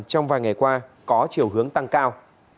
trong vài ngày qua có chiều hướng tăng cao